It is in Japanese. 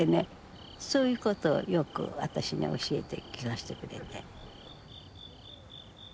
そういうことをよく私に教えて聞かしてくれて。